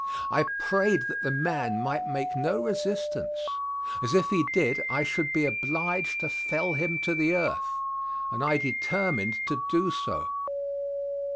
I prayed that the man might make no resistance, as if he did I should be obliged to fell him to the earth, and I determined to do so.